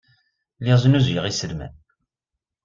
Lliɣ snuzuyeɣ iselman.